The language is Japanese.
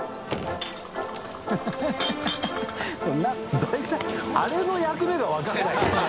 だいたいあれの役目が分からない。